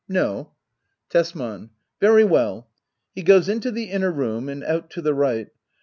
No. Tesman. Very well. \He goes into the inner room and out to the right.